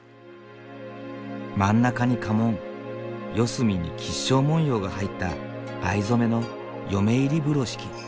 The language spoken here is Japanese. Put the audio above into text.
真ん中に家紋四隅に吉祥文様が入った藍染めの嫁入り風呂敷。